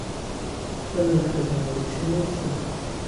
Ttbanen-d ḥeznen deg sin yid-sen.